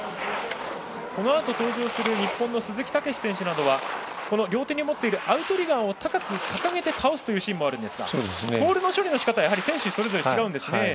このあと登場する日本の鈴木猛史選手などは両手に持っているアウトリガーを高く掲げて倒すというスタイルもあるんですがポールの処理のしかたは選手それぞれ違うんですね。